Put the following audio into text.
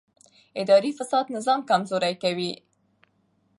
اداري فساد نظام کمزوری کوي